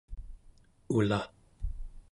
ulaᵉ